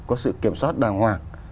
có sự kiểm soát đàng hoàng